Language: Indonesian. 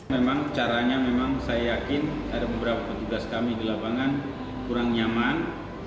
memang caranya memang saya yakin ada beberapa petugas kami di lapangan kurang nyaman